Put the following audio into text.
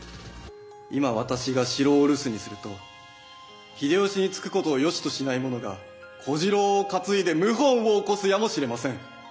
今私が城を留守にすると秀吉につくことをよしとしない者が小次郎を担いで謀反を起こすやもしれません。